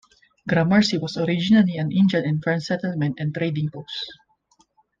Gramercy was originally an Indian and French settlement and trading post.